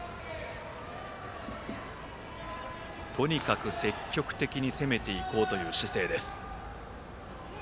とにかく積極的に攻めていこうという姿勢です。